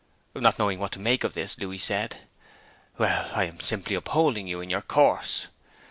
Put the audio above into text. Not knowing what to make of this, Louis said 'Well, I am simply upholding you in your course.'